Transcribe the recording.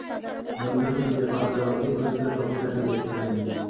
Rome যখন নিজের পাপের জবাবদিহি করছিল তখন তা কেউ দেখতে পায় নি।